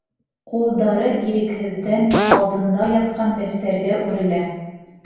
Ҡулдары, ирекһеҙҙән, алдында ятҡан дәфтәргә үрелә.